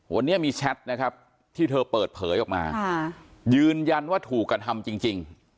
วันนี้มีแชทนะครับที่เธอเปิดเผยออกมายืนยันว่าถูกกระทำจริง